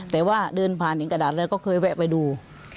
แต่ว่าเดินผ่านถึงกระดาษแล้วก็เคยแวะไปดู